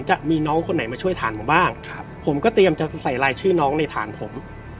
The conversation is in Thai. จะมีน้องคนไหนมาช่วยฐานผมบ้างครับผมก็เตรียมจะใส่ลายชื่อน้องในฐานผม